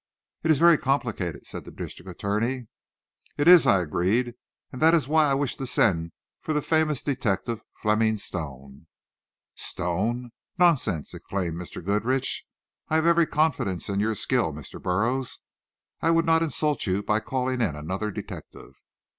"It is very complicated," said the district attorney. "It is," I agreed, "and that is why I wish to send for the famous detective, Fleming Stone." "Stone! Nonsense!" exclaimed Mr. Goodrich. "I have every confidence in your skill, Mr. Burroughs; I would not insult you by calling in another detective."